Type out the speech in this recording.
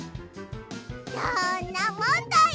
どんなもんだい！